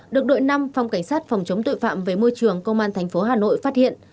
được đội năm phòng cảnh sát phòng chống tội phạm về môi trường công an thành phố hà nội phát hiện